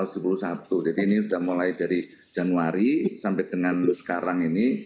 jadi ini sudah mulai dari januari sampai dengan sekarang ini